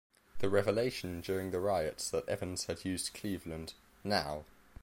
The revelation during the riots that Evans had used Cleveland: Now!